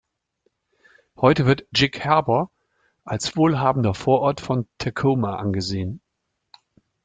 Heute wird Gig Harbor als wohlhabender Vorort von Tacoma angesehen.